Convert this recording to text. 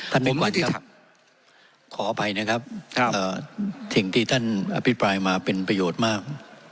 มิ่งขวัญครับขออภัยนะครับสิ่งที่ท่านอภิปรายมาเป็นประโยชน์มาก